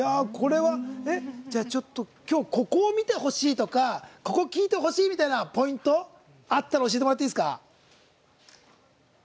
ちょっと、きょうここを見てほしいとかここ聞いてほしいみたいなポイントあったら教えてもらえますか。